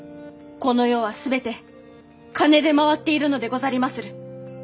この世は全て金で回っているのでござりまする。